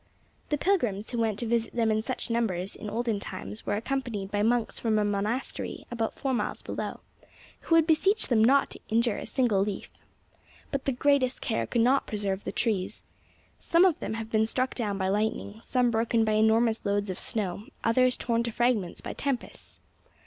The pilgrims who went to visit them in such numbers in olden times were accompanied by monks from a monastery about four miles below, who would beseech them not to injure a single leaf. But the greatest care could not preserve the trees. Some of them have been struck down by lightning, some broken by enormous loads of snow, and others torn to fragments by tempests.